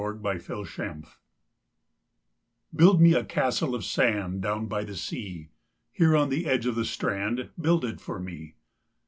SAND CASTLES Build me a castle of sand Down by the sea. Here on the edge of the strand Build it for me.